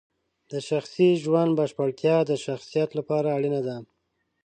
د شخصي ژوند بشپړتیا د شخصیت لپاره اړینه ده.